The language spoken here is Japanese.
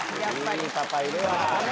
いいパパいるわ。